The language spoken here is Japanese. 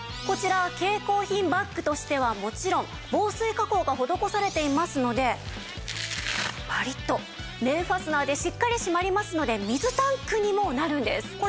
こちらは携行品バッグとしてはもちろん防水加工が施されていますのでバリッと面ファスナーでしっかり閉まりますので水タンクにもなるんです。